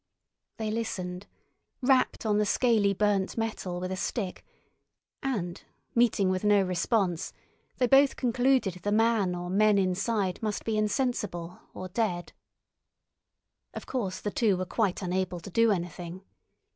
They listened, rapped on the scaly burnt metal with a stick, and, meeting with no response, they both concluded the man or men inside must be insensible or dead. Of course the two were quite unable to do anything.